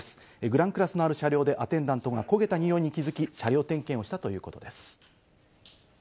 グランクラスのある車両でアテンダントが焦げたにおいに気づき、車両点検をしたということです。